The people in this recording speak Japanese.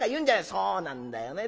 「そうなんだよね。